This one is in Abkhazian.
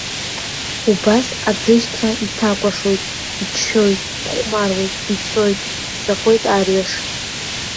Убас аӡышьҭра иҭакәашоит, иччоит, ихәмаруеит, ицоит, иццакуеит арҩаш.